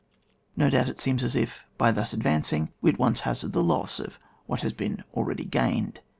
No doubt it seems as if, by thus ad vancing, we at once hazard the loss of what has been already gained.